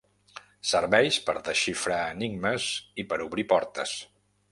Serveix per desxifrar enigmes i per obrir portes.